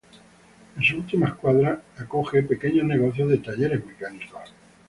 En sus últimas cuadras, acoge pequeños negocios de talleres mecánicos.